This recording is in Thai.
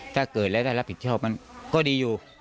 ถ้าเกิดแล้วได้รับผิดชอบมันก็ดีอยู่